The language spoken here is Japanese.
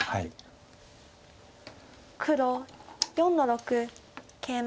黒４の六ケイマ。